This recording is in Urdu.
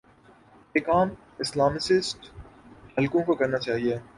یہ کام اسلامسٹ حلقوں کوکرنا چاہیے۔